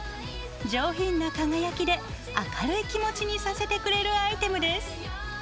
上品な輝きで明るい気持ちにさせてくれるアイテムです。